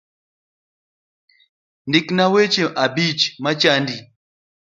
Ndikna weche abich machandi